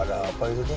ada apa itu teh